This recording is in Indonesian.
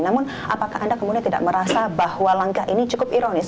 namun apakah anda kemudian tidak merasa bahwa langkah ini cukup ironis